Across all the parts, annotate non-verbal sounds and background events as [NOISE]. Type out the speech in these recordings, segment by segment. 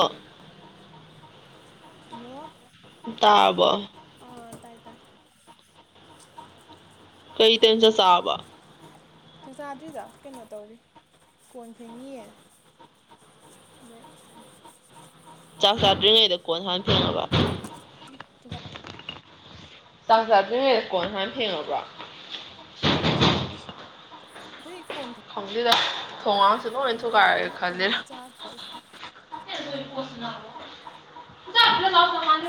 ꯑꯣ ꯍꯜꯂꫭ ꯇꯥꯔꯕꯣ ꯑꫭ ꯇꯥꯏ ꯇꯥꯏ ꯀꯩ ꯇꯁ ꯆꯥꯕ ꯆꯥꯛꯆꯥꯥꯗ꯭ꯔꯤꯗ ꯀꯩꯅꯣ ꯇꯧꯔꯤ ꯀꯣꯟ ꯐꯦꯡꯉꯤꯌꯦ ꯑꯗꯩ ꯆꯥꯛ ꯆꯥꯗ꯭ꯔꯤꯉꯩꯗ ꯀꯣꯟ ꯍꯥꯟꯅ ꯐꯦꯡꯉꯕ ꯆꯥꯛ ꯆꯥꯛ ꯆꯥꯗ꯭ꯔꯤꯉꯩ ꯀꯣꯟ ꯍꯥꯟꯅ ꯐꯦꯡꯉꯕ꯭ꯔꯥ ꯍꯨꯏ ꯀꯣꯟ ꯈꯪꯗꯦꯗ ꯊꯣꯡꯒꯥꯡꯁꯨ ꯂꯣꯏ ꯀꯣꯟ ꯐꯦꯡꯕ ꯊꯨꯒꯥꯏꯔꯒꯦ ꯑꯗꯨꯒꯤ ꯀꯣꯟ ꯈꯜꯂꯦ ꯐꯦꯡ ꯆꯥꯕ [UNINTELLIGIBLE]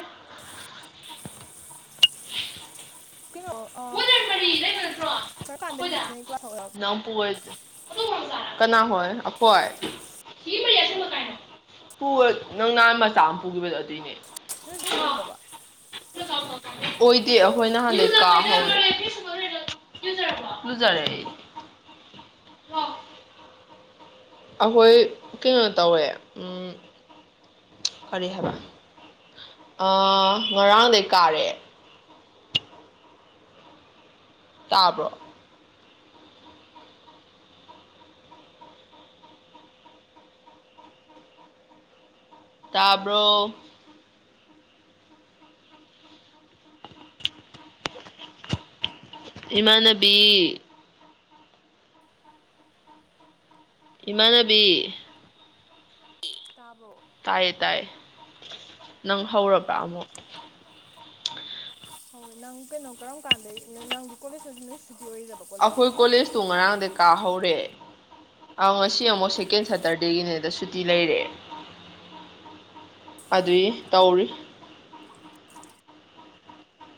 ꯀꯩꯅꯣ ꯑ [INAUDIBLE] ꯅꯣꯏ ꯀ꯭ꯂꯥꯁ ꯍꯧꯔꯛ ꯀꯅꯥ ꯍꯣꯏ ꯑꯈꯣꯏ ꯄꯨꯔ ꯅꯪ ꯅꯥꯟ ꯃꯆꯥ ꯑꯃ ꯄꯨꯈꯤꯕꯗꯣ ꯑꯗꯨꯏꯅꯦ ꯅꯣꯏ [UNINTELLIGIBLE] ꯄꯕ ꯑꯣꯏꯗꯦ ꯑꯩꯈꯣꯏꯅ ꯍꯥꯟꯅꯩ ꯀꯥ ꯍꯣꯡꯑꯦ ꯂꯨꯖꯔꯦ ꯑꯍꯣꯏ ꯀꯩꯅꯣ ꯇꯧꯋꯦ ꯀꯔꯤ ꯍꯥꯏꯕ ꯑ ꯉꯔꯥꯡꯗꯩ ꯀꯥꯔꯦ ꯇꯥꯕ꯭ꯔꯣ ꯇꯥꯕ꯭ꯔꯣ ꯏꯃꯥꯟꯅꯕꯤ ꯏꯃꯥꯟꯅꯕꯤ ꯇꯥꯕ꯭ꯔꯣ ꯇꯥꯏꯌꯦ ꯇꯥꯏ ꯅꯪ ꯍꯧꯔꯕ ꯑꯃꯨꯛ ꯍꯧꯔꯦ ꯅꯪ ꯀꯩꯅꯣ ꯀꯔꯝ ꯀꯥꯟꯗꯩ ꯅ ꯅꯪꯗꯤ ꯀꯣꯂꯦꯖꯇꯁꯨ ꯅꯣꯏ ꯁꯨꯗꯤ ꯑꯣꯏꯔ ꯑꯈꯣꯏ ꯀꯣꯂꯦꯖꯇꯣ ꯉꯔꯥꯡꯗꯩ ꯀꯥꯍꯧꯔꯦ ꯑꯧ ꯉꯁꯤ ꯑꯃꯨꯛ ꯁꯦꯀꯦꯟ ꯁꯇꯔꯗꯦꯒꯤꯅꯦꯗ ꯁꯨꯇꯤ ꯂꯩꯔꯦ ꯑꯗꯨꯏ ꯇꯧꯔꯤ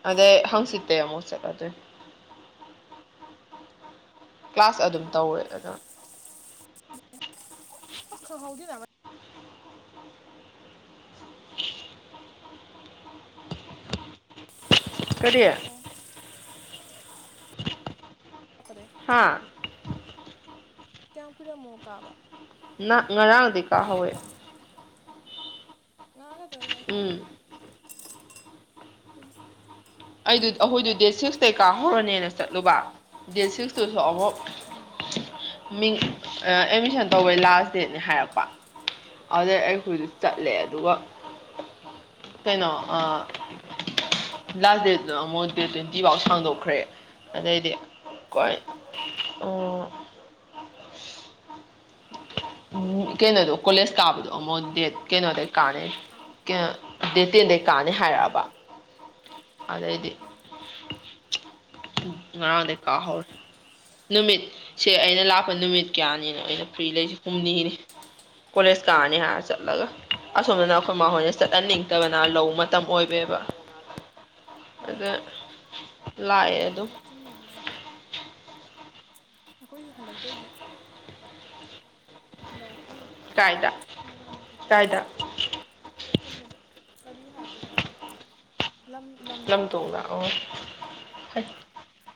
ꯑꯗꯩ ꯍꯪꯆꯤꯠꯇꯩ ꯑꯃꯨꯛ ꯆꯠꯂꯗꯨꯏ ꯀ꯭ꯂꯥꯁ ꯑꯗꯨꯝ ꯇꯧꯋꯦ ꯑꯗꯣ ꯑꯣ ꯈꯪꯍꯧꯗꯦꯅ [INAUDIBLE] ꯀꯔꯤ ꯑꯣ ꯑꯗꯩꯩ ꯍꯥ ꯀꯌꯥꯝ ꯀꯨꯏꯔꯦ ꯃꯣ ꯀꯥꯕ ꯅ ꯉꯔꯥꯡꯗꯤ ꯀꯥ ꯍꯧꯑꯦ ꯉꯔꯥꯡ ꯈꯛꯇꯅꯦ ꯍꯧꯕ ꯎꯝ ꯎꯝ ꯑꯩꯗꯣ ꯑꯩꯈꯣꯏꯗꯣ ꯗꯦꯠ ꯁꯤꯛꯁꯇꯩ ꯀꯥꯍꯧꯔꯅꯦꯅ ꯆꯠꯂꯨꯕ ꯗꯦꯠ ꯁꯤꯛꯁꯇꯨꯁꯨ ꯑꯋꯛ ꯎꯝ ꯃꯤꯡ ꯑ ꯑꯦꯠꯃꯤꯁꯟ ꯇꯧꯕꯩ ꯂꯥꯁ ꯗꯦꯠꯅꯦ ꯍꯥꯏꯔꯛꯄ ꯑꯗꯨꯗꯩ ꯑꯩ ꯍꯨꯖꯤꯛ ꯆꯠꯂꯦ ꯑꯗꯨꯒ ꯀꯩꯅꯣ ꯑ ꯂꯥꯁ ꯗꯦꯠꯇꯨ ꯑꯃꯨꯛ ꯗꯦꯠ ꯇ꯭ꯋꯦꯟꯇꯤꯐꯥꯎ ꯁꯥꯡꯗꯣꯛꯈ꯭ꯔꯦ ꯑꯗꯩꯗꯤ ꯀꯩ ꯑꯣ ꯎꯝ ꯀꯩꯅꯣꯗꯣ ꯀꯣꯂꯦꯖ ꯀꯥꯕꯗꯣ ꯑꯃꯣꯛ ꯗꯦꯠ ꯀꯩꯅꯣꯗꯩ ꯀꯥꯔꯅꯤ꯫ ꯑꯥꯎ ꯀꯩꯅꯣ ꯗꯦꯠ ꯇꯦꯟꯗꯩ ꯀꯥꯅꯤ ꯍꯥꯏꯔꯛꯑꯕ ꯑꯗꯩꯗꯤ ꯑꯥ ꯉꯔꯥꯡꯗꯩ ꯀꯥ ꯍꯧꯔꯦ꯫ ꯅꯨꯃꯤꯠꯁꯦ ꯑꯩꯅ ꯂꯥꯛꯄ ꯅꯨꯃꯤꯠ ꯀꯌꯥꯅꯤꯅꯣ ꯑꯩꯅ ꯐ꯭ꯔꯤ ꯂꯩꯁꯦ ꯍꯨꯝꯅꯤꯅꯦ ꯀꯣꯂꯦꯖ ꯀꯥꯔꯅꯤ ꯍꯥꯏꯔ ꯆꯠꯂꯒ꯫ ꯑꯁꯣꯝꯗꯅ ꯑꯩꯈꯣꯏ ꯃꯥꯍꯣꯏꯅ ꯆꯠꯍꯟꯅꯤꯡꯇꯕꯅ ꯂꯧ ꯃꯇꯝ ꯑꯣꯏꯕꯩꯕ꯫ [UNINTELLIGIBLE] ꯍꯣꯏ꯫ ꯑꯗ ꯂꯥꯛꯑꯦ ꯑꯗꯨꯝ [UNINTELLIGIBLE] ꯅꯣꯟꯅ ꯀꯣ ꯑꯈꯣꯏꯖꯨ ꯍꯟꯗꯛꯇꯩꯗꯤ ꯂꯧ ꯎꯔꯦ ꯀꯥꯏꯗ ꯅꯃꯥꯟꯅꯕꯤ ꯍꯣꯏꯁꯨ ꯀꯥꯏꯗ ꯀꯅꯣꯗ ꯀꯔꯤ ꯍꯥꯏꯒꯔꯦ ꯂꯝ ꯂꯝꯗꯣꯡꯗ ꯑꯣ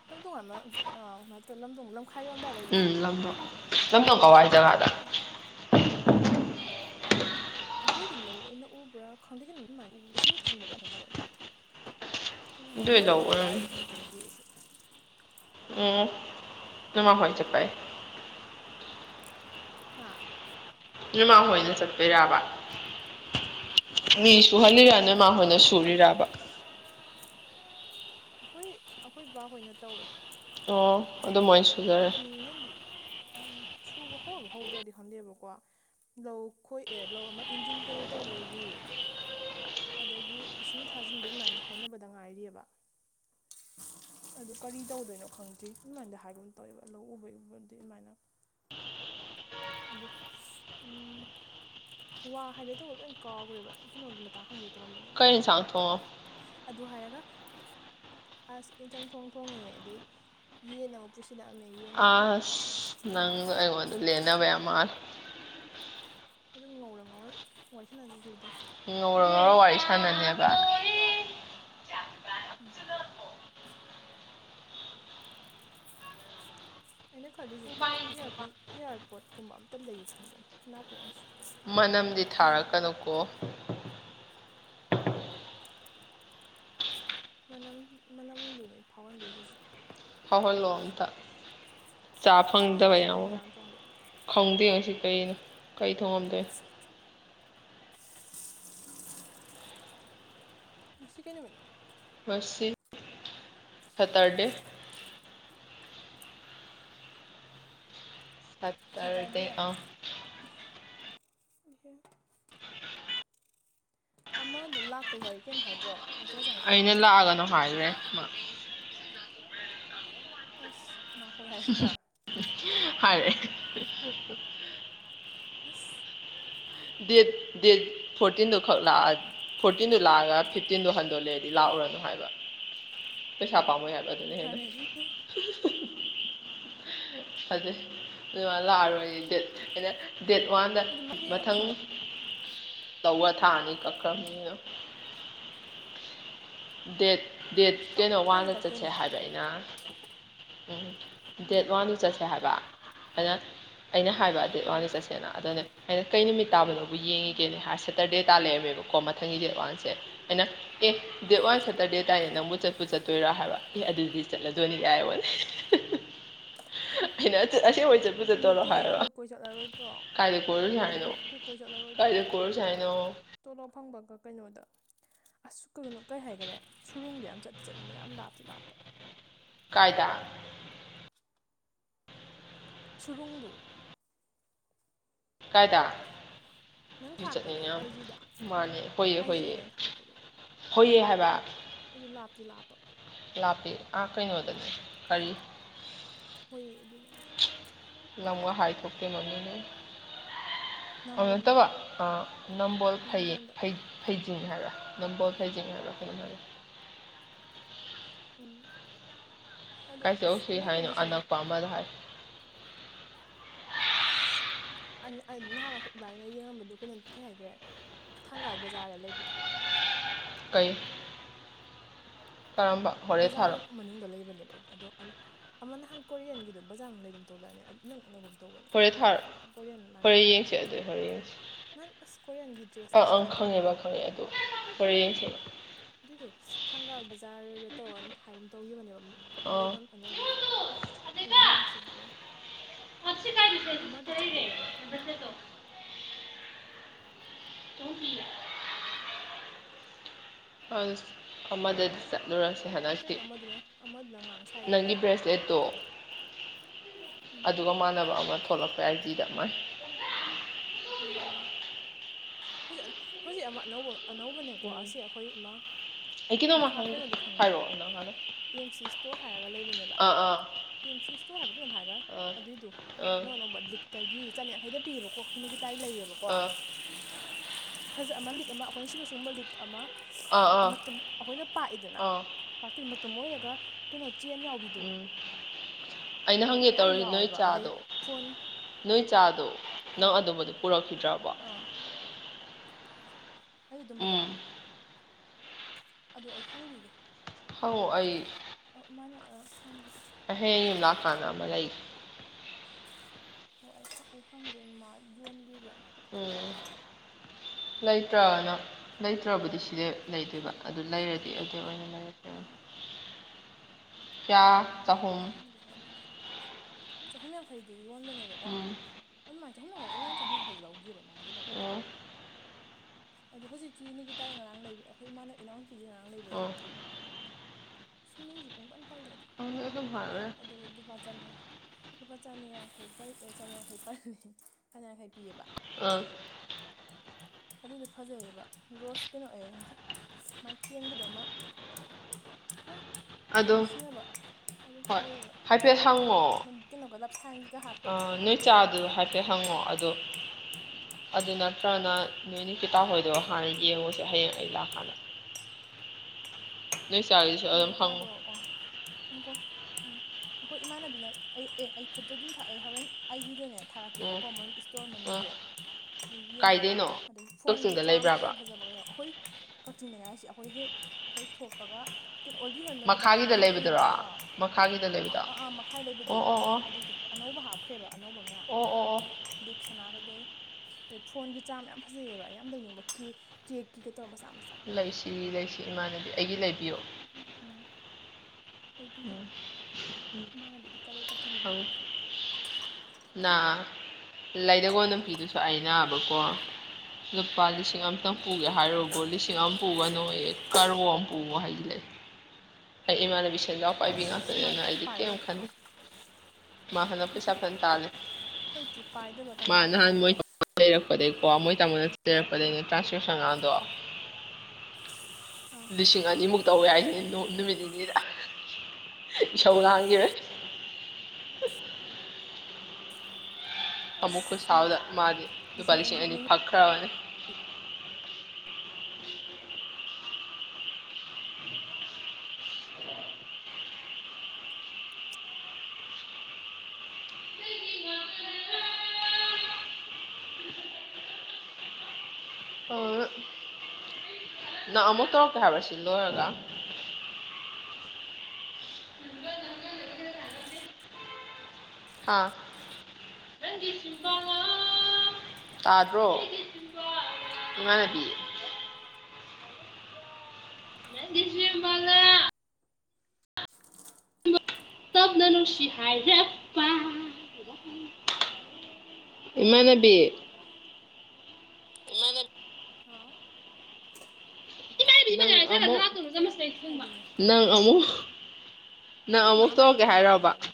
ꯗꯨꯝ ꯇꯣꯡꯉꯥꯟꯕ ꯑ ꯅ [UNINTELLIGIBLE] ꯂꯝꯈꯥꯏ ꯌꯧ ꯎꯝ ꯂꯝꯃꯣꯡ ꯂꯝꯂꯣꯡ ꯀꯋꯥꯏ ꯖꯒꯥꯗ ꯑꯗꯨꯗ ꯑꯩꯈꯣꯏꯗꯤ ꯂꯧ ꯑꯣꯏꯅ ꯎꯕ꯭ꯔꯥ ꯈꯪꯗꯦ ꯀꯅꯣ ꯑꯗꯨꯃꯥꯏꯅ ꯎ ꯏꯁꯤꯡ ꯊꯥꯟꯖꯤꯟꯕꯒꯤ ꯌꯥꯝ ꯍꯥꯏꯅꯕ ꯑꯗꯨꯅ ꯑꯗꯨꯏ ꯂꯧ ꯂꯝꯗꯣꯡ ꯀꯥꯏꯗꯅꯣ ꯑꯣꯏꯔꯝꯅꯤ ꯈꯪꯗꯦ ꯑꯩꯁꯨ꯫ ꯎꯝ [UNINTELLIGIBLE] ꯍꯥꯥ ꯅꯣꯢ ꯃꯥ ꯍꯣꯏꯅ ꯆꯠꯄꯩꯔꯥꯕ ꯍꯣꯏ ꯁꯨꯍꯜꯂꯤꯔꯥ ꯑꯩꯈꯣꯏ ꯅꯣꯢ ꯃꯥ ꯃꯥꯍꯣꯏꯗꯤ ꯑꯗꯨꯝ ꯆꯠꯂꯦ ꯍꯣꯏꯅ ꯑꯩꯗꯤ ꯑꯗꯨꯝ ꯆꯠꯇ꯭ꯔꯦ ꯁꯨꯔꯤꯔꯥꯕ꯫ ꯑꯈꯣꯏ ꯑꯈꯣꯏ ꯕꯥ ꯍꯣꯏꯅ ꯇꯧꯋꯦ꯫ ꯑꯣ ꯑꯗꯨꯃꯥꯏꯅ ꯁꯨꯖꯔ ꯃꯤꯅꯗꯤ ꯁꯨꯕ ꯍꯧꯔꯕ ꯍꯧꯗ꯭ꯔꯗꯤ ꯈꯟꯗꯦꯕꯀꯣ ꯂꯧ ꯈꯣꯏ ꯑꯦ ꯂꯧ ꯑꯃ ꯏꯟꯖꯤꯟ ꯀꯩꯀꯩ ꯇꯧꯕꯒꯤ꯫ ꯑꯗꯒꯤ ꯏꯁꯤꯡ ꯊꯥꯖꯤꯟꯕꯩ ꯑꯗꯨꯃꯥꯏꯅꯗꯤ ꯍꯥꯏꯅꯕꯗ ꯉꯥꯏꯔꯤꯑꯕ ꯑꯗꯨ ꯀꯔꯤ ꯇꯧꯗꯣꯏꯅꯣ ꯈꯪꯗ꯭ꯔꯤ ꯑꯗꯨꯃꯥꯏꯅꯗꯤ ꯍꯥꯏꯒꯨꯝ ꯇꯧꯋꯦꯕ ꯂꯧ ꯎꯕꯒꯤꯕꯗꯤ ꯑꯗꯨꯃꯥꯏꯅ꯫ ꯑꯗꯣ ꯋꯥ ꯍꯥꯏꯒꯦ ꯇꯧꯕ ꯂꯣꯏ ꯀꯥꯎꯒ꯭ꯔꯦꯕ ꯑꯩ ꯀꯩꯅꯣꯒꯤ ꯃꯇꯥꯡ ꯍꯪꯒꯦ ꯇꯧꯔꯝꯕꯅꯦꯕ꯫ ꯀꯩ ꯏꯟꯁꯥꯡ ꯊꯣꯡꯉꯕ ꯑꯗꯨ ꯍꯥꯏꯔꯒ ꯑꯁ ꯌꯦꯟꯆꯝ ꯊꯣꯡ ꯊꯣꯡꯉꯦ ꯑꯗꯨꯢ ꯌꯦꯟ ꯑꯃꯨꯛ ꯄꯨꯁꯤꯜꯂꯛꯑꯝꯃꯦ ꯌꯦꯟ ꯉꯧꯍꯣꯅ ꯉꯧꯒꯦ ꯇꯧꯔꯤ ꯂꯩꯟꯅꯕ ꯌꯥꯝ ꯃꯥꯜ ꯑꯗꯨꯝ ꯉꯧꯔ ꯉꯧꯔ ꯋꯥꯔꯤ ꯁꯥꯟꯅꯁꯜꯂꯗꯨꯝꯅꯦ ꯉꯧꯔ ꯉꯧꯔ ꯋꯥꯔꯤ ꯁꯥꯟꯅꯤꯕ ꯎꯝ꯫ ꯑꯩꯅ ꯈꯜꯂꯤꯁꯤ ꯏꯌꯥꯔꯄꯤꯁ ꯏꯌꯥꯔꯄꯣꯠ ꯀꯨꯝꯕ ꯑꯝꯇ ꯂꯩꯒꯦ ꯈꯟꯕꯅꯦ ꯅꯥꯀꯣꯡꯁꯦ꯫ ꯃꯅꯝꯗꯤ ꯊꯤꯟꯅꯕ ꯊꯥꯔꯛꯀꯅꯨꯀꯣ꯫ ꯃꯅꯝ ꯃꯅꯝꯗꯨꯅꯤ ꯐꯥꯎꯍꯟꯗꯣꯏꯁꯤ ꯍꯧꯖꯤꯛ꯫ ꯐꯥꯎꯍꯜꯂꯣ ꯑꯝꯇ ꯆꯥ ꯅꯣꯏ ꯐꯪꯗꯕ ꯉꯁꯤ ꯀꯩ ꯌꯥꯎꯉꯣ ꯏꯟꯁꯥꯡ ꯊꯣꯡꯒꯦ ꯈꯪꯗꯦ ꯉꯁꯤ ꯀꯔꯤꯅꯣ ꯀꯩ ꯊꯣꯡꯉꯝꯗꯣꯏ ꯉꯁꯤ ꯀꯩ ꯅꯨꯃꯤꯠꯅꯣ꯫ ꯉꯁꯤ ꯁꯦꯠꯇꯔꯗꯦ ꯁꯦꯇꯔꯗꯦ ꯁꯇꯔꯗꯦ ꯑꯥ ꯏꯍꯦ ꯑꯃꯗꯣ ꯂꯥꯛꯄꯩ ꯋꯥꯔꯤ ꯀꯩꯝ ꯍꯥꯏꯗ꯭ꯔꯣ꯫ ꯍꯣꯁꯇꯦꯜ ꯆꯪꯉꯛꯄꯩ ꯑꯩꯅ ꯋꯥꯔꯤ ꯍꯥꯏꯗ꯭ꯔꯣ ꯂꯥꯛꯑꯒꯅꯣ ꯍꯥꯏꯒ꯭ꯔꯦ ꯃꯥ꯫ ꯑꯁ ꯃꯪꯍꯣꯏ ꯍꯥꯏꯔꯛꯄ꯭ꯔꯥ ꯍꯥꯏꯔꯛꯑꯦ꯫ ꯑꯁ ꯗꯦꯠ ꯗꯦꯠ ꯐꯣꯔꯇꯤꯟꯗꯨ ꯈꯛ ꯂꯥꯛꯑꯥ ꯐꯣꯔꯇꯤꯟꯗꯨ ꯂꯥꯛꯑꯒ ꯐꯤꯞꯇꯤꯟꯗꯣ ꯍꯟꯗꯣ ꯂꯩꯔꯗꯤ ꯂꯥꯛꯎꯔꯅꯨ ꯍꯥꯏꯕ ꯄꯩꯁꯥ ꯄꯥꯝꯃꯨꯏ ꯍꯥꯏ ꯕ ꯑꯗꯨꯅ ꯍꯦꯟꯅ ꯐꯔꯦ ꯑꯗꯨ ꯑꯗꯩ ꯑꯗꯨ ꯃꯥ ꯂꯥꯛꯑꯔꯣꯏ ꯗꯦꯠ ꯑꯩꯅ ꯗꯦꯠ ꯋꯥꯟꯗ ꯑꯗꯨ ꯃꯥ ꯍꯌꯦꯡ ꯐꯤ ꯂꯧ ꯇꯧꯕ ꯊꯥ ꯑꯅꯤ ꯀꯛꯈ꯭ꯔꯝꯅꯤꯅ꯫ ꯗꯦꯠ꯫ ꯗꯦꯠ ꯑꯁ ꯀꯛ ꯀꯩꯅꯣ ꯊꯥꯅꯤ ꯋꯥꯟꯗ ꯆꯠꯁꯦ ꯀꯛꯇꯣꯏꯅꯦ ꯍꯥꯏꯕ ꯑꯩꯅ ꯎꯝ꯫ ꯗꯦꯠ ꯎꯝ ꯋꯥꯟꯗ ꯆꯠꯁꯦ ꯍꯥꯏꯕ ꯑꯩꯅ ꯑꯩꯅ ꯍꯥꯏꯕ ꯗꯦꯠ ꯎꯝ ꯋꯥꯟꯗ ꯆꯠꯁꯦꯅ ꯑꯗꯨꯅꯦ ꯑꯩꯅ ꯀꯩ ꯅꯨꯃꯤꯠ ꯇꯥꯕꯅꯣꯕꯨ ꯎꯝ ꯌꯦꯡꯉꯤꯒꯦꯅꯦ ꯍꯥꯏꯔ ꯁꯦꯇꯔꯗꯦ ꯇꯥ ꯂꯩꯔꯝꯃꯦꯕꯀꯣ ꯃꯊꯪꯒꯤ ꯗꯦꯠ ꯋꯥꯟꯁꯦ ꯑꯩꯅ ꯑꯦ꯫ ꯗꯦꯠ ꯋꯥꯟ ꯁꯦꯇꯔꯗꯦ ꯑꯥ ꯇꯥꯏꯅꯦ ꯅꯪꯕꯨ ꯆꯠꯄꯨ ꯆꯠꯇꯣꯏꯔꯥ ꯍꯥꯏꯕ ꯑꯦ ꯑꯗꯨꯗꯤ ꯆꯠꯂꯗꯣꯏꯅꯤ ꯀꯥꯏꯕꯣꯟꯅꯦ꯫ ꯑꯩꯅ ꯑꯁꯦꯡꯕ ꯆꯠꯄꯨ ꯆꯠꯇꯧꯔꯣ ꯅꯠꯇꯦ ꯍꯥꯏꯕ ꯑꯩꯈꯣꯏ ꯀꯣꯏ ꯆꯠꯂꯔꯣꯏꯗ꯭ꯔꯣ ꯑꯩꯈꯣꯏ ꯀꯥꯏꯗ꯫ ꯀꯔꯁ ꯍꯥꯏꯅꯣ ꯀꯣꯏ ꯆꯠꯂꯔꯣꯏꯗ꯭ꯔꯣ ꯀꯥꯏꯗ ꯀꯔꯁ ꯍꯥꯏꯅꯣ ꯇꯣꯂꯣꯞ ꯐꯪꯕꯒ ꯀꯩꯅꯣꯗ ꯑꯁꯨꯛ ꯀꯩꯅꯣ ꯀꯔꯤ ꯍꯥꯏꯈꯔꯦ ꯁꯨꯔꯨꯡꯗ ꯌꯥꯝ ꯆꯠ꯫ ꯆꯠꯅꯤꯡꯕꯅꯦ ꯌꯥꯝ ꯂꯥꯞꯇꯤ ꯂꯥꯞꯄ꯫ ꯀꯥꯏꯗ꯫ ꯁꯨꯔꯨꯡꯗꯨ ꯀꯥꯏꯗꯥ꯫ ꯅꯪ ꯑꯗꯨ ꯊꯥꯔꯛꯄꯗꯣ ꯆꯠꯅꯤꯡꯅ ꯌꯥꯝ ꯑꯥꯏꯖꯤꯗ ꯃꯥꯅꯩ ꯑꯩꯈꯣꯏꯌꯦ ꯑꯥꯏꯖꯤꯗ ꯅꯪ ꯊꯥꯔꯛꯄꯗꯣ ꯑꯩꯈꯣꯏꯒꯤ ꯍꯣꯏꯌꯦ ꯍꯥꯏꯕ ꯑꯗꯨ ꯂꯥꯞꯇꯤ ꯂꯥꯞꯄ꯫ ꯂꯥꯞꯄꯤ ꯑꯥ ꯀꯩꯅꯣꯗꯅꯤ ꯀꯔꯤ꯫ ꯍꯣꯏꯑ ꯑꯗꯨꯅꯦ ꯍꯥꯏꯁꯦ ꯂꯝꯒ ꯍꯥꯏ ꯊꯣꯛꯣꯛꯇꯦ ꯃꯃꯤꯡ ꯑꯗꯨ ꯅꯝꯕꯣꯟꯗ ꯅꯠꯇꯕ ꯑ꯫ ꯅꯝꯕꯣꯜ ꯅꯝꯕꯣꯟꯗ ꯐꯡ ꯐꯩꯖꯤꯡ ꯍꯥꯏꯔꯣ ꯅꯝꯕꯣꯜ ꯐꯩꯖꯤꯡ ꯍꯥꯏꯔꯣ ꯐꯩ ꯎꯝ ꯑꯗꯣ ꯀꯥꯏ ꯆꯠꯂꯨꯁꯤ ꯑꯩꯅ ꯍꯥꯏꯅꯣ ꯈꯜꯂꯤꯁꯤꯅ꯫ ꯑꯅꯛꯄ ꯑꯃꯗ ꯍꯥꯏ꯫ ꯑꯟ ꯑ ꯅꯍꯥꯟ ꯑꯩꯈꯣꯏ ꯏꯕꯥꯅꯤꯅ ꯌꯦꯡꯉꯝꯕꯗꯨ ꯀꯩꯅꯣ ꯀꯩ ꯍꯥꯏꯈ꯭ꯔꯦ ꯊꯪꯒꯥꯜ ꯕꯖꯥꯔꯗ ꯂꯩꯕꯗꯨ꯫ ꯀꯩ ꯇꯔꯝꯕ ꯕꯖꯥꯔ ꯃꯅꯨꯡꯗ ꯂꯩꯕꯅꯦꯕ ꯑꯗꯣ ꯑꯃ ꯅꯍꯥꯟ ꯀꯣꯔꯤꯌꯟꯒꯤꯗꯣ ꯕꯖꯥꯔ ꯃꯅꯨꯡ ꯂꯩꯒꯨꯝ ꯇꯧꯗꯥꯏꯅꯦ꯫ ꯏꯅꯛ ꯅꯛꯅꯒꯨꯝ ꯇꯧꯕꯅꯦ ꯑꯩ ꯍꯣꯔꯦꯟ ꯅꯍꯥꯟ ꯌꯦꯡ ꯊꯥꯔꯛꯑꯣ ꯀꯥꯟꯗ ꯀꯣꯔꯤꯌꯥꯟ ꯍꯣꯔꯦꯟ ꯃꯥꯟꯕꯤꯗꯨ꯫ ꯌꯦꯡꯁꯦ ꯑꯗꯨ ꯍꯣꯔꯦꯟ ꯌꯦꯡꯁꯦ ꯅꯪ ꯑꯁ ꯀꯣꯔꯤꯌꯥꯟꯒꯤ ꯗ꯭ꯔꯦꯁꯀ ꯁꯦꯠꯂ ꯇꯧꯕꯤꯗꯣ꯫ ꯍꯅꯁꯤ ꯑꯗꯨꯏꯗꯣ ꯊꯪꯒꯥꯜ ꯕꯖꯥꯔꯒ ꯇꯧꯔꯒ ꯑꯗꯨꯝ ꯍꯥꯏꯕ ꯑꯃ ꯇꯧꯈꯤꯕꯅꯦꯕ ꯃꯐꯝ ꯑꯥ ꯂꯩꯐꯝ ꯑꯅꯧꯕꯗꯣ ꯑꯗꯨ ꯌꯦꯡꯁꯤ ꯍꯧꯔꯦ ꯃꯁ ꯀꯥꯏ ꯁ ꯀꯒꯦꯣ ꯇꯨ ꯄ ꯆꯠꯂꯨ ꯌꯥꯏꯅ ꯃꯗꯠ ꯆꯠꯂꯨꯔꯁꯦ ꯍꯟꯗꯛꯇꯤ ꯀꯩꯅꯣ ꯑꯃꯗꯨꯅ ꯑꯃꯗꯨꯅ ꯉꯥꯡ ꯁꯥꯏꯗꯣ ꯅꯪꯒꯤ ꯀꯩꯅꯣ ꯕ꯭ꯔꯦꯁꯂꯦꯠꯇꯣ ꯎꯝ ꯑꯗꯨꯒ ꯃꯥꯟꯅꯕ ꯑꯃ ꯊꯣꯛꯂꯛꯄ ꯑ ꯗꯤꯗ ꯃꯥꯏ ꯏ ꯍꯧꯖꯤꯛ ꯍꯧꯖꯤꯛ ꯑꯃ ꯑꯅꯧꯕ ꯑꯅꯧꯕꯅꯦꯀꯣ ꯎꯝ ꯑꯁꯤꯦ ꯑꯩꯈꯣꯏ ꯑꯃ ꯑꯩ ꯀꯩꯅꯣꯝꯃ ꯃꯈꯥ ꯍꯪꯒꯦ ꯀꯩꯅꯣꯗꯨꯣ ꯈꯪꯕ꯭ꯔꯥ ꯍꯥꯏꯔꯛꯑꯣ ꯅꯪ ꯍꯥꯟꯅ ꯑꯦꯝ ꯁꯤ ꯁ꯭ꯇꯣꯔ ꯍꯥꯏꯔꯒ ꯂꯩꯕꯅꯦꯕ ꯑꯥ ꯑꯥ ꯀꯤ ꯑꯦꯝ ꯁꯤ ꯏꯁꯇꯣꯔ ꯍꯥꯏꯕ ꯀꯩꯅꯣꯝ ꯍꯥꯏꯔꯒ ꯑꯥ ꯑꯗꯨꯏꯗꯨꯣ ꯑꯥ ꯑꯅꯧ ꯑꯅꯧꯕ ꯂꯤꯛ ꯇꯒꯤ ꯆꯅꯌꯥꯈꯩꯗ ꯄꯤꯑꯕꯀꯣ ꯍꯩꯅ ꯇꯥꯏ ꯂꯩꯌꯦꯕꯀꯣ ꯑꯥ ꯐꯖ ꯑꯃ ꯂꯤꯛ ꯑꯃ ꯑꯩꯈꯣꯏꯅ ꯁꯤꯕꯨ ꯁ ꯃ ꯂꯤꯛ ꯑꯃ ꯑꯥ ꯑꯥ ꯃꯇꯨꯡ ꯑꯩꯈꯣꯏꯅ ꯄꯥꯛꯏꯗꯅ ꯑꯥ ꯄꯥꯛꯇꯣꯏ ꯃꯇꯝ ꯑꯣꯏꯔꯒ ꯀꯩꯅꯣ ꯆꯦꯟ ꯌꯥꯎꯕꯤꯗꯣ ꯎꯝ ꯑꯩꯅ ꯍꯪꯒꯦ ꯃꯌꯥꯝ ꯇꯧꯔꯤ ꯅꯣꯏ ꯌꯥꯎꯋꯦꯕ ꯑꯗꯩ ꯆꯥꯗꯣ ꯐꯣꯟ ꯅꯣꯏ ꯆꯥꯗꯣ ꯅꯪ ꯑꯥ ꯑꯗꯨꯝꯕꯗꯨꯣ ꯄꯨꯔꯛꯈꯤꯗ꯭ꯔꯕꯣ ꯑꯥ ꯑꯩ ꯑꯗꯨꯝꯕꯗꯣ ꯎꯝ ꯑꯗꯨ ꯑꯩ ꯍꯪꯕꯤꯒꯦ ꯑꯧ ꯑꯩ ꯑꯧ ꯃꯥꯅ ꯑꯥ ꯐꯝꯒꯤꯁꯦ ꯑꯩ ꯍꯌꯦꯡ ꯌꯨꯝ ꯂꯥꯛ ꯀꯥꯟꯗ ꯑꯃ ꯂꯩꯒꯦ ꯍꯣꯏ ꯑꯩ ꯍꯪꯒꯦ ꯃꯥ ꯌꯣꯟꯈꯤꯕ꯭ꯔꯥꯅ ꯑꯣ ꯂꯩꯇ꯭ꯔꯅ ꯂꯩꯇ꯭ꯔꯕꯨꯗꯤ ꯁꯤꯗꯤ ꯂꯩꯗꯣꯏꯕ ꯑꯗꯨ ꯂꯩꯔꯗꯤ ꯑꯗꯨꯗꯤ ꯑꯣꯏꯅ ꯂꯩꯔꯦ ꯑꯣ ꯀꯌꯥ ꯍꯣꯏ ꯍꯣꯏ ꯑꯩ ꯆꯍꯨꯝ ꯍꯪꯒꯦ ꯍꯧꯔꯅꯤ ꯆꯍꯨꯝ ꯌꯥꯡꯈꯩꯗꯤ ꯌꯣꯟꯕꯅꯦꯕꯀꯣ ꯎꯝ ꯑꯗꯨꯃꯥꯏꯅ ꯆꯍꯨꯝ ꯌꯥꯈꯩ ꯑꯩꯅ ꯆꯍꯨꯝ ꯌꯥꯡꯩ ꯂꯧꯒꯦꯕ ꯃꯉꯣꯟꯗꯒꯤ ꯂꯧꯕꯗꯣ ꯑꯣ ꯑꯗꯣ ꯍꯧꯖꯤꯛꯀꯤꯅꯦꯒꯤ ꯇꯥꯏ ꯉꯔꯥꯡ ꯂꯩꯕ ꯑꯩꯈꯣꯏ ꯏꯃꯅ ꯏꯅꯥꯎꯅꯨꯄꯤꯒꯤ ꯉꯔꯥꯡ ꯂꯩꯕꯗꯣ ꯑꯣ ꯑꯁ ꯃꯤꯡꯁꯨ ꯄꯨꯡꯄꯜ ꯄꯜꯂꯦꯗ ꯑꯗꯨ ꯀꯥꯎꯋꯦ ꯑꯗꯨꯝ ꯍꯥꯏꯔꯦ ꯑꯗꯨ ꯂꯨꯄꯥ ꯆꯟꯅꯅ ꯂꯨꯄꯥ ꯆꯥꯅꯤꯌꯥꯡꯈꯩ ꯆꯥꯌꯥꯡꯈꯩꯅꯤ ꯆꯥꯌꯥꯡꯈꯩ ꯄꯤꯌꯦꯕ ꯑꯥ ꯑꯗꯨꯏꯗꯤ ꯐꯖꯩꯑꯕ ꯔꯣꯁ ꯀꯩꯅ ꯑꯣꯏ ꯍꯧꯖꯤꯛ [UNINTELLIGIBLE] [UNINTELLIGIBLE] ꯃꯤ ꯑꯗꯣ ꯁꯤꯟꯅꯕ ꯑꯗꯨꯝ ꯍꯣꯏ ꯑꯣꯏꯌꯦꯕ ꯍꯥꯏꯐꯦꯠ ꯀꯩꯅꯣꯒ ꯂꯞꯁꯥꯏꯟꯒ ꯍꯥꯞ ꯑ ꯅꯣꯏ ꯆꯥꯗꯨ ꯍꯥꯏ ꯐꯦꯠ ꯍꯪꯉꯣ ꯑꯗꯣ ꯑꯗꯨ ꯅꯠꯇ꯭ꯔꯅ ꯅꯣꯏ ꯅꯤꯀꯤꯇꯥꯍꯣꯏꯗꯣ ꯍꯥꯟꯅ ꯌꯦꯡꯉꯨ ꯍꯌꯦꯡ ꯑꯩ ꯂꯥꯛ ꯀꯥꯟꯗ ꯆꯥꯒꯤꯗꯨꯁꯨ ꯑꯗꯨꯝ ꯍꯪꯉꯣ ꯅꯤꯒꯤꯇꯥꯗꯣ ꯑꯣ ꯑꯪꯀꯣ ꯎꯝ ꯑꯈꯣꯏ ꯏꯃꯥꯟꯅꯕꯤꯅ ꯑꯩ ꯑꯦ ꯑꯩ ꯐꯨꯠꯇꯣ ꯑꯗꯨꯝ ꯊꯥꯛꯑꯦ ꯍꯣꯔꯦꯟ ꯑꯥꯏꯖꯤꯗꯅꯦ ꯎꯝ ꯊꯥꯔꯛꯀꯦꯕꯀꯣ ꯃꯣꯏ ꯏꯁꯇꯣꯔ ꯎꯝ ꯃꯃꯤꯡꯗꯣ ꯑꯗꯨ ꯌꯦꯡꯉꯣꯕ ꯀꯥꯏꯗꯩꯅꯣ ꯑꯗꯨꯝ ꯐꯣꯟꯒꯤ ꯀꯛꯆꯤꯡꯗ ꯆꯥꯔꯝ ꯐꯖ ꯂꯩꯕ꯭ꯔꯕ ꯐꯖꯕꯒ ꯌꯥꯎ ꯑꯝꯈꯣꯏ ꯀꯛꯆꯤꯡꯗꯅꯦ ꯍꯥꯏꯁꯦ ꯑꯈꯣꯏ ꯍꯦꯛ ꯑꯈꯣꯏ ꯊꯣꯛꯄꯒ ꯀꯩꯅꯣ ꯑꯣꯜꯗꯤ ꯑꯣꯏꯝꯃꯣꯏ ꯃꯈꯥꯒꯤꯗ ꯕꯕꯥꯒꯤ ꯀꯩꯅꯣ ꯂꯩꯕꯗꯨꯔꯣ ꯂꯩꯇ꯭ꯔꯣ ꯑꯥ ꯃꯈꯥꯒꯤꯗ ꯂꯩꯕꯗꯣ ꯑꯥ ꯃꯈꯥꯏ ꯂꯩꯕꯗꯣ ꯑꯣ ꯑꯣ ꯑꯣ ꯑꯗꯨꯏꯗꯣ ꯑꯅꯧꯕ ꯍꯥꯞꯈ꯭ꯔꯦꯕ ꯑꯅꯧꯕ ꯃꯌꯥꯝ ꯑꯣ ꯑꯣ ꯑꯣ ꯂꯤꯛ ꯁꯅꯥ ꯀꯩꯀꯩ ꯑꯗꯩ ꯐꯣꯟꯒꯤ ꯆꯥꯔꯝ ꯌꯥꯝ ꯐꯖꯩꯑꯕ ꯌꯥꯝ ꯂꯩꯅꯤꯡꯕ ꯀꯦꯛ ꯀꯦꯛꯀꯤꯀ ꯇꯧꯔꯒ ꯃꯆꯥ ꯃꯆꯥ ꯂꯩꯁꯤ ꯂꯩꯁꯤ ꯏꯃꯥꯟꯅꯕꯤ ꯑꯩꯒꯤ ꯂꯩꯕꯤꯌꯣ ꯎꯝ ꯂꯩꯕꯤꯒꯦ ꯏꯃꯥꯟꯅꯕꯤꯗꯤ ꯀꯔꯣꯔ ꯄꯇꯤꯅꯤꯅ [INAUDIBLE] ꯂꯩꯗꯧꯕ ꯅꯨꯄꯤꯗꯨꯁꯨ ꯑꯩꯅꯕꯀꯣ ꯂꯨꯄꯥ ꯂꯤꯁꯤꯡ ꯑꯃ ꯈꯤꯇꯪ ꯎꯝ ꯄꯨꯒꯦ ꯍꯥꯏꯔꯨꯕꯨ ꯂꯤꯁꯤꯡ ꯑꯃ ꯄꯨꯒꯅꯨꯌꯦ ꯀꯔꯣꯔ ꯑꯃ ꯄꯨꯑꯣ ꯍꯥꯏꯖꯤꯜ ꯂꯛ ꯑꯦ ꯏꯃꯥꯟꯅꯕꯤ ꯁꯦꯟꯖꯥꯎ ꯄꯥꯏꯕꯤ ꯑꯁ ꯃꯥꯗꯤ ꯉꯥꯛꯇꯅꯤꯅ ꯐꯖꯅ ꯑꯩꯗꯤ ꯄꯥꯏꯔ ꯀꯩꯝ ꯃꯥꯜꯂꯦ ꯈꯟ ꯗꯦ ꯃꯥ ꯍꯟꯗꯛ ꯄꯩꯁꯥ ꯐꯖꯅ ꯇꯥꯜꯂꯦ ꯍꯧꯖꯤꯛꯇꯤ ꯄꯥꯏꯗꯕ ꯃꯥ ꯀꯅꯥꯝ ꯅꯍꯥꯟ ꯂꯩꯇ꯭ꯔꯦ ꯃꯣꯏ ꯂꯩꯔꯛꯄꯗꯩꯩꯀꯣ ꯃꯣꯏ ꯇꯥꯃꯣꯅ ꯊꯤꯔꯛꯄꯗꯩꯩꯅꯦ ꯇ꯭ꯔꯥꯟꯁꯀ꯭ꯔꯤꯞꯁꯟꯒꯥꯡꯗꯣ ꯑꯥ ꯂꯤꯁꯤꯡ ꯑꯅꯤꯃꯨꯛ ꯇꯧꯋꯦ ꯍꯥꯏꯅꯦ ꯅꯣ ꯅꯨꯃꯤꯠ ꯅꯤꯅꯤꯗ ꯏꯁꯧ ꯂꯥꯡꯒꯤꯕꯅꯦ ꯑꯃꯨꯛ ꯑꯁ ꯈꯨꯁꯥꯎꯗ ꯃꯥꯁꯨ ꯃꯥꯗꯤ ꯂꯨꯄꯥ ꯂꯤꯁꯤꯡ ꯑꯅꯤ ꯐꯛꯈ꯭ꯔꯕꯅꯤ [INAUDIBLE] ꯅꯪ ꯑꯃꯨꯛ ꯇꯧꯔꯛꯀꯦ ꯍꯥꯏꯕ꯭ꯔꯥ ꯁꯤ ꯂꯣꯏꯔꯒ ꯑꯥ ꯇꯥꯗ꯭ꯔꯣ ꯏꯃꯥꯗꯤ [UNINTELLIGIBLE] ꯇꯞꯅ ꯅꯨꯡꯁꯤ ꯍꯥꯏꯔꯛꯄ ꯏꯃꯥꯟꯅꯕꯤ ꯍ ꯀꯩ ꯍꯥꯏꯅꯤꯡꯉꯤ ꯅꯪ ꯑꯃꯃꯨ ꯅꯪ ꯀꯩꯅꯣ ꯃꯥ ꯑꯃꯨꯛ ꯑꯃꯥꯏꯅ ꯇꯧꯔꯒꯦ ꯀꯨꯏꯂꯥꯡ ꯂꯥꯡꯉꯤꯕ ꯍꯥꯏꯔꯕ ꯍꯥꯏꯕꯨ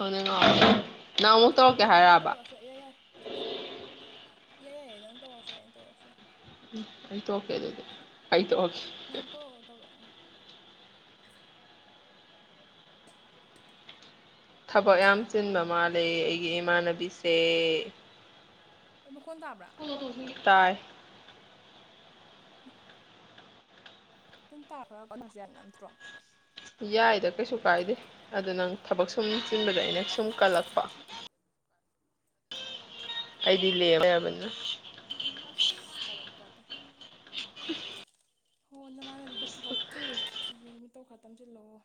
ꯈꯪꯅꯤꯡꯉ ꯅꯪ ꯑꯃꯨꯛ ꯇꯧꯔꯛꯀꯦ ꯅꯪ ꯍꯥꯏꯔꯛꯑꯕ ꯇꯧꯔꯛꯑꯁꯨ ꯑꯩꯏ ꯌꯥꯏ ꯌꯥꯏ ꯌꯥꯏꯌꯦ ꯅꯪ ꯇꯧꯔꯁꯨ ꯌꯥꯏ ꯑꯩꯅ ꯇꯧꯔꯛꯑꯁꯨ ꯌꯥꯏ ꯎꯝ ꯑ ꯑꯣꯀꯦ ꯑꯗꯨꯗ ꯑꯗꯨ ꯑ ꯑꯣꯀꯦ ꯅꯪ ꯇꯧꯔꯛꯑꯣ ꯇꯧꯔꯛꯑꯣ ꯊꯕꯛ ꯌꯥꯝ ꯆꯤꯟꯕ ꯃꯥꯂꯦ ꯑꯩꯒꯤ ꯏꯃꯥꯟꯅꯕꯤꯁꯦ ꯃꯈꯣꯟ ꯇꯥꯕ꯭ꯔꯥ ꯇꯥꯏ ꯑꯗꯨꯝ ꯇꯥꯈ꯭ꯔꯒ ꯀꯅꯣꯁꯨ ꯌꯥꯏ ꯅꯠꯇ꯭ꯔꯣ ꯌꯥꯏꯗ ꯀꯩꯁꯨ ꯀꯥꯏꯗꯦ ꯑꯗꯨ ꯅꯪ ꯊꯕꯛ ꯁꯨꯝ ꯆꯤꯟꯕꯗ ꯑꯩꯅ ꯁꯨꯝ ꯀꯜꯂꯛꯄ ꯑꯩꯗꯤ ꯂꯦ [UNINTELLIGIBLE] ꯀꯂꯛꯄꯗ [INAUDIBLE] ꯍꯣ ꯅꯃꯥꯟꯅꯕꯤꯒꯤ ꯊꯕꯛ ꯁꯤꯒꯤ ꯃꯇꯧ ꯈꯔ ꯇꯝꯁꯤꯜꯂꯣ